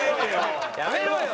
やめろよ！